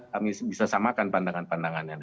kami bisa samakan pandangan pandangannya